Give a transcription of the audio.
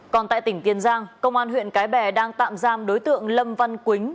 còn tại tỉnh tiên giang công an huyện cái bè đang tạm giam đối tượng lâm văn quỳnh